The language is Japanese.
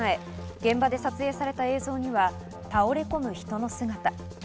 現場で撮影された映像には倒れ込む人の姿。